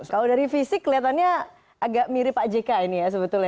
kalau dari fisik kelihatannya agak mirip pak jk ini ya sebetulnya